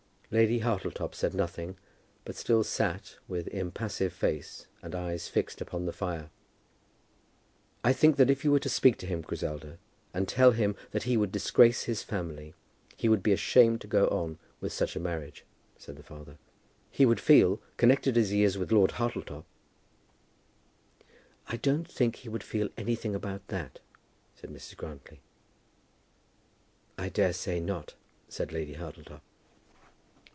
Lady Hartletop said nothing, but still sat, with impassive face, and eyes fixed upon the fire. "I think that if you were to speak to him, Griselda, and tell him that he would disgrace his family, he would be ashamed to go on with such a marriage," said the father. "He would feel, connected as he is with Lord Hartletop " "I don't think he would feel anything about that," said Mrs. Grantly. "I dare say not," said Lady Hartletop.